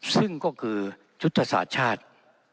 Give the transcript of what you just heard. ซึ่งก็คือยุตสาชาติ